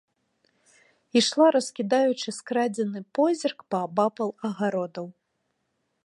Ішла, раскідаючы скрадзены позірк паабапал агародаў.